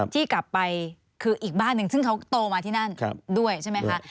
ที่กลับไปคืออีกบ้านหนึ่งซึ่งเขาโตมาที่นั่นด้วยใช่ไหมคะ